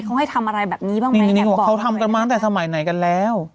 เขาให้ทำอะไรแบบนี้บ้างไหมเนี่ยเขาบอกเขาทำกันมาตั้งแต่สมัยไหนกันแล้ว